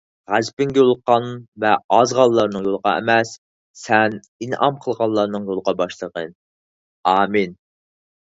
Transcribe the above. غەزىپىڭگە يولۇققان ۋە ئازغانلارنىڭ يولىغا ئەمەس سەن ئىنئام قىلغانلارنىڭ يولىغا باشلىغان.ئامىن